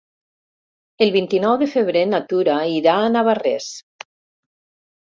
El vint-i-nou de febrer na Tura irà a Navarrés.